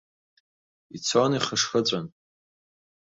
Ицон ихышхыҵәан!